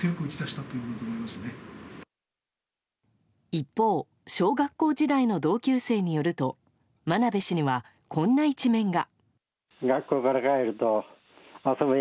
一方小学校時代の同級生によると真鍋氏にはこんな一面が。